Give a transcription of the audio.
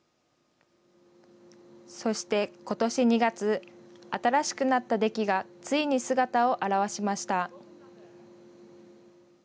そして、ことし２月、新しくなったデキがついに姿を現しました。